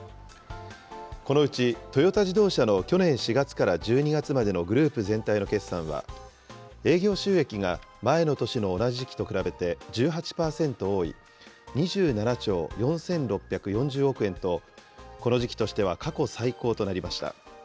このうちトヨタ自動車の去年４月から１２月までのグループ全体の決算は、営業収益が前の年の同じ時期と比べて１８％多い２７兆４６４０億円と、この時期としては過去最高となりました。